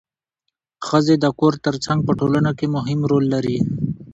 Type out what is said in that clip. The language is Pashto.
ښځې د کور ترڅنګ په ټولنه کې مهم رول لري